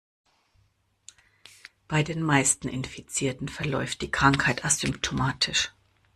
Bei den meisten Infizierten verläuft die Krankheit asymptomatisch.